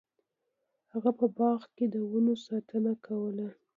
هغه په باغ کې د ونو ساتنه کوله.